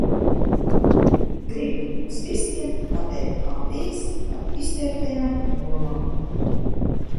Gribu jums visiem pateikt paldies par izteiktajām domām.